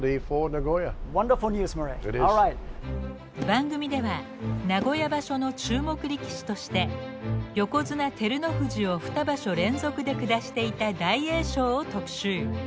番組では名古屋場所の注目力士として横綱照ノ富士を二場所連続で下していた大栄翔を特集。